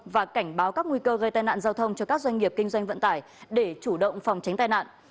và cảnh báo các nguy cơ gây tai nạn giao thông cho các doanh nghiệp kinh doanh vận tải để chủ động phòng tránh tai nạn